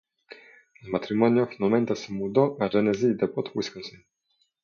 El matrimonio finalmente se mudó a Genesee Depot, Wisconsin.